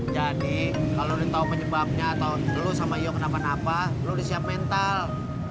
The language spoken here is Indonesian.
jadi kalau udah tahu penyebabnya atau lo sama iya kenapa napa lo disiap mental